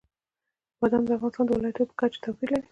بادام د افغانستان د ولایاتو په کچه توپیر لري.